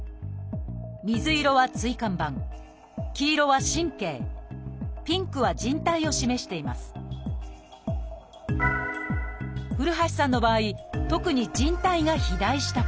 水色は椎間板黄色は神経ピンクはじん帯を示しています古橋さんの場合特にじん帯が肥大したこと。